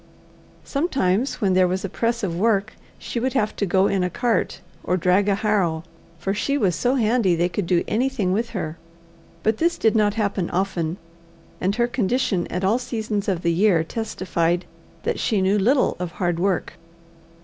Sometimes when there was a press of work she would have to go in a cart or drag a harrow, for she was so handy they could do anything with her; but this did not happen often, and her condition at all seasons of the year testified that she knew little of hard work.